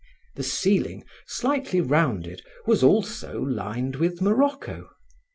The ceiling, slightly rounded, was also lined with morocco.